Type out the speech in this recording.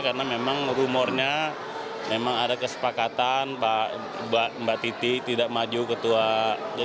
karena memang rumornya memang ada kesepakatan mbak titi tidak maju ketua